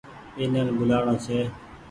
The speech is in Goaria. ٻينين ٻولآڻو ڇي